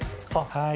はい。